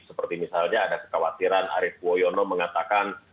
seperti misalnya ada kekhawatiran arief woyono mengatakan